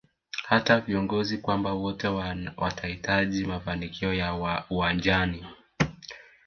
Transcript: hata viongozi kwamba wote watahitaji mafanikio ya uwanjani